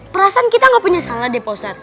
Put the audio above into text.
perasaan kita gak punya salah deh pausat